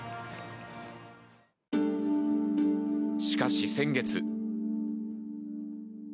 しかし先月。